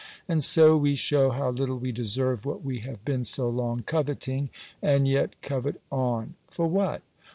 And so we shew how little we deserve what we have been so long coveting; and yet covet on: for what?